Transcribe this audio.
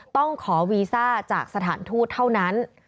ต้องขอวีซ่าจากสถานทูตเท่านั้น